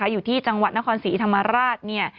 อยู่ที่จังหวัดนครศรีธรรมราช